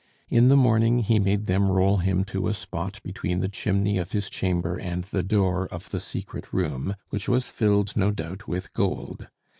In the morning he made them roll him to a spot between the chimney of his chamber and the door of the secret room, which was filled, no doubt, with gold.